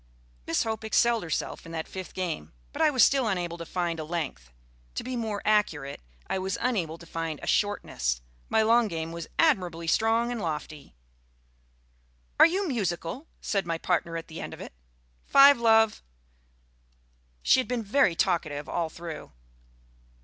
Miss Hope excelled herself in that fifth game, but I was still unable to find a length. To be more accurate, I was unable to find a shortness my long game was admirably strong and lofty. "Are you musical?" said my partner at the end of it. (Five, love.) She had been very talkative all through.